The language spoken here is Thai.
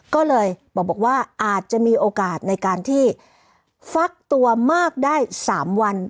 ก็เลยบอกว่าอาจจะมีโอกาสในการที่ฟักตัวมากได้๓วัน